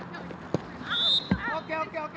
ＯＫＯＫＯＫ。